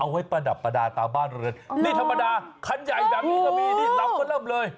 ไว้ประดับประดาษตามบ้านเรือนนี่ธรรมดาคันใหญ่แบบนี้ก็มีนี่ลำก็เริ่มเลย